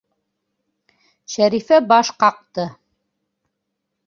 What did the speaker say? Шәрифә баш ҡаҡты.